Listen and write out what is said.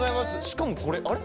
しかもこれあれ？